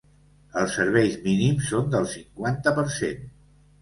Els serveis mínims són del cinquanta per cent.